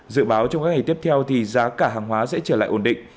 dự báo trong các ngày tiếp theo giá cả hàng hóa sẽ trở lại ổn định